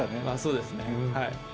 まあそうですね。